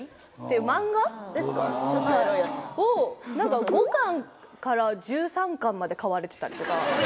漫画ですか？を５巻から１３巻まで買われてたりとか。